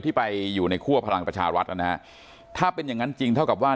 ที่ไปอยู่ในคั่วพลังประชารัฐนะฮะถ้าเป็นอย่างนั้นจริงเท่ากับว่า